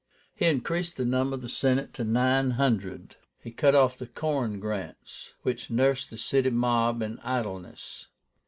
He increased the number of the Senate to nine hundred. He cut off the corn grants, which nursed the city mob in idleness.